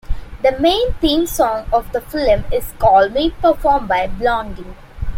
The main theme song of the film is "Call Me" performed by Blondie.